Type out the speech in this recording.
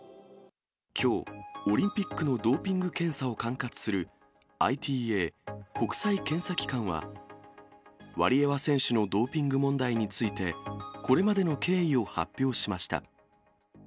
きょう、オリンピックのドーピング検査を管轄する、ＩＴＡ・国際検査機関は、ワリエワ選手のドーピング問題について、これまでの経緯を発表しました。